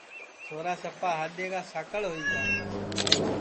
چھورا سپا ہاڈؔیں کا ساکݪ ہوئی گا